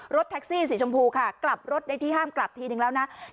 รถแท็กซี่สีชมพูค่ะกลับรถในที่ห้ามกลับทีนึงแล้วนะ